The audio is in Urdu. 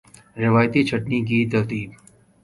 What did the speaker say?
روایتی چھٹنی کی ترتیب